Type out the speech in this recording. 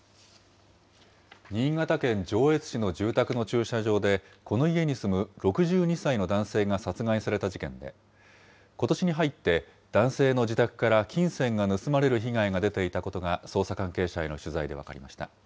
新潟県上越市の住宅の駐車場で、この家に住む６２歳の男性が殺害された事件で、ことしに入って男性の自宅から、金銭が盗まれる被害が出ていたことが捜査関係者への取材で分かりました。